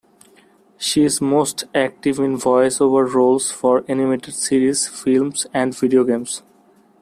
She is most active in voice-over roles for animated series, films and video games.